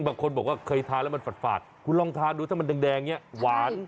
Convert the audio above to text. บางคนบอกว่าเคยทานแล้วมันฝาดคุณลองทานดูถ้ามันแดงเนี่ยหวาน